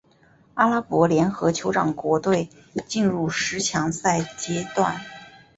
阿拉伯联合酋长国队进入十强赛阶段。